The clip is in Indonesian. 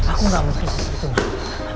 aku gak mau kasih segitu ma